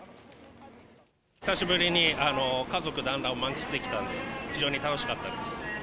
久しぶりに家族だんらんを満喫できたので、非常に楽しかったです。